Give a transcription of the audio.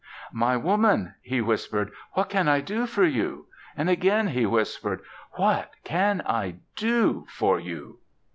"My Woman," he whispered, "what can I do for you?" And again he whispered, "What can I do for you?"